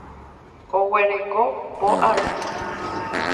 Oguereko po ary.